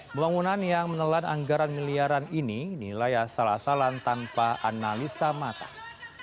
pembangunan yang menelan anggaran miliaran ini nilai asal asalan tanpa analisa matang